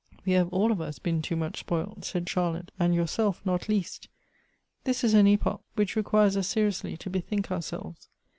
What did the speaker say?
" We have all of us been too much spoilt," said Char lotte ;" and yourself not least. This is an epoch which requires us seriously to bethink ourselves.